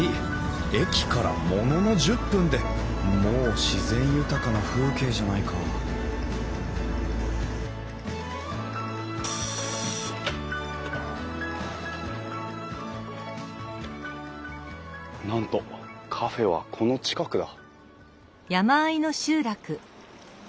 駅からものの１０分でもう自然豊かな風景じゃないかなんとカフェはこの近くだ。